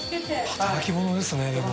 働き者ですねでも。